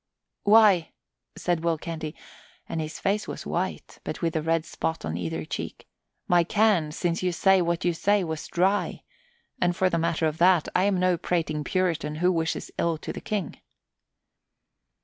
"Why," said Will Canty, and his face was white, but with a red spot on either cheek, "my can, since you say what you say, was dry; and for the matter of that, I am no prating Puritan who wishes ill to the King."